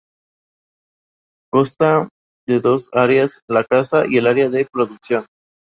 Consta de dos áreas: la casa y el área de producción.